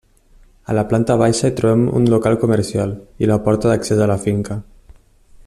A la planta baixa trobem un local comercial i la porta d'accés a la finca.